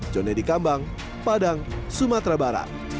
jone di kambang padang sumatera barat